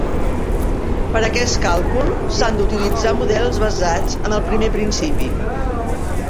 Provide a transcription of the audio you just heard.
Per a aquest càlcul s'han d'utilitzar models basats en el primer principi.